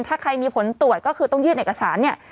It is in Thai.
ถ้าใครมีผลตรวจก็คือต้องยื่นเอกสารเนี่ย